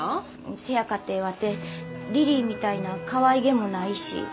せやかてワテリリーみたいなかわいげもないし。